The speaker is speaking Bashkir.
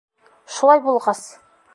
Шулай булғас!